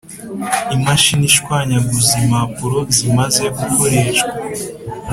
Imashini ishwanyagura impapuro zimaze gukoreshwa